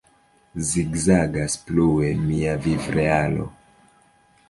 Zigzagas plue mia viv-realo...